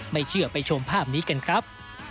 ไม่เชื่อไปชมภาพนี้กันครับ